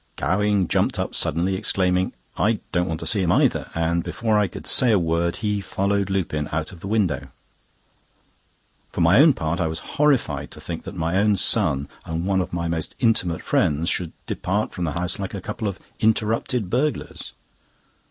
Gowing jumped up suddenly, exclaiming: "I don't want to see him either!" and, before I could say a word, he followed Lupin out of the window. For my own part, I was horrified to think my own son and one of my most intimate friends should depart from the house like a couple of interrupted burglars.